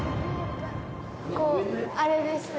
ここあれですね。